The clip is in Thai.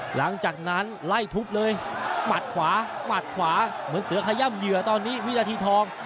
หลังจากนั้นไล่ทุบเลยหมัดขวาหมัดขวาเหมือนเสือขย่ำเหยื่อตอนนี้วินาทีทอง